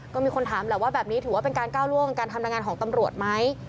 ก็มีคนถามแหละว่าแบบนี้ถือว่าเป็นการก้าวล่วงการทำงานของตำรวจไหม